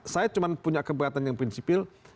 saya cuma punya keberatan yang prinsipil